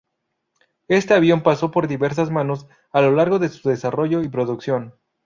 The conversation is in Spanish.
Este avión pasó por diversas manos a lo largo de su desarrollo y producción.